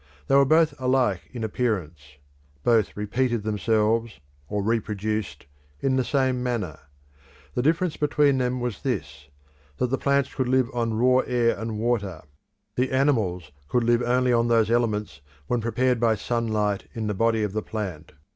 They were both alike in appearance; both repeated themselves, or reproduced, in the same manner. The difference between them was this, that the plants could live on raw air and water, the animals could live only on those elements when prepared by sun light in the body of the plant.